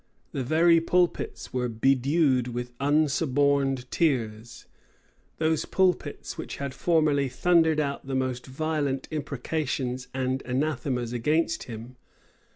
The very pulpits were bedewed with unsuborned tears; those pulpits, which had formerly thundered out the most violent imprecations and anathemas against him.